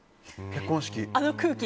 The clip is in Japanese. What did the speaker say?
結婚式。